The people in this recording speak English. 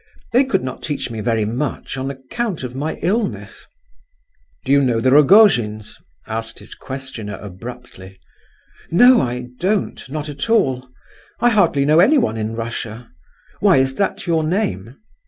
"They could not teach me very much on account of my illness." "Do you know the Rogojins?" asked his questioner, abruptly. "No, I don't—not at all! I hardly know anyone in Russia. Why, is that your name?"